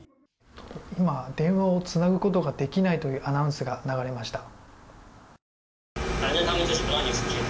今、電話をつなぐことができないというアナウンスが流れました。